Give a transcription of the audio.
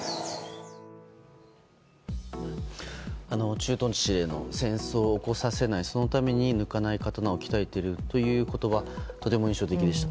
駐屯地司令の戦争を起こさせないそのために、抜かない刀を鍛えているという言葉がとても印象的でした。